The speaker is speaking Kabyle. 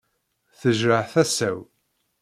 Tejreḥ tasa-w.